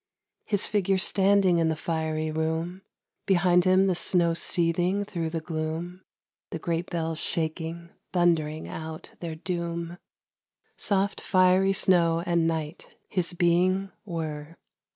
His figure standing in the fiery room.... Behind him the snow seething through the gloom.... The great bells shaking, thundering out their doom.... Soft Fiery Snow and Night his being were.